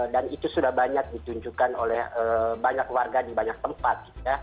dan itu sudah banyak ditunjukkan oleh banyak warga di banyak tempat